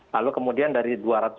lalu kemudian dari